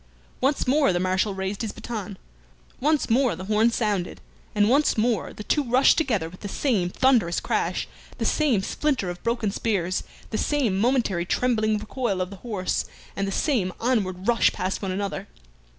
Once more the Marshal raised his baton, once more the horn sounded, and once more the two rushed together with the same thunderous crash, the same splinter of broken spears, the same momentary trembling recoil of the horse, and the same onward rush past one another.